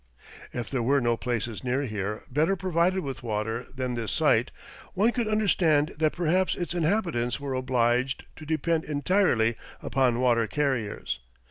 If there were no places near here better provided with water than this site, one could understand that perhaps its inhabitants were obliged to depend entirely upon water carriers.